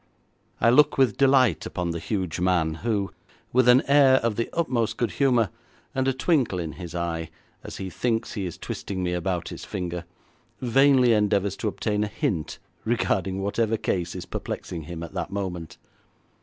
I look with delight upon the huge man, who, with an air of the utmost good humour, and a twinkle in his eye as he thinks he is twisting me about his finger, vainly endeavours to obtain a hint regarding whatever case is perplexing him at that moment.